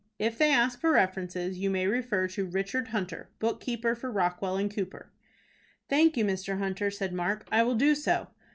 If they ask for references, you may refer to Richard Hunter, book keeper for Rockwell & Cooper." "Thank you, Mr. Hunter," said Mark. "I will do so."